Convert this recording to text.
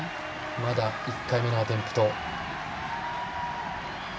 まだ１回目のアテンプト。